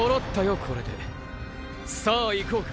これで！！さあいこうか！！